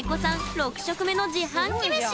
６食目の自販機飯。